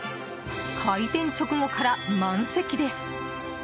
開店直後から満席です。